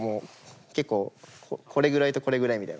結構これぐらいとこれぐらいみたいな。